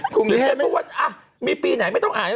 คุณแม่พูดว่ามีปีไหนไม่ต้องอ่าน